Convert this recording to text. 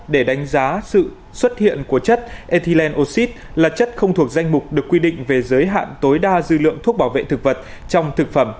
để đánh giá sự xuất hiện của chất ethylenoxid là chất không thuộc danh mục được quy định về giới hạn tối đa dư lượng thuốc bảo vệ thực vật trong thực phẩm